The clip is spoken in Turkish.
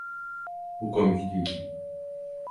Bu komik değil!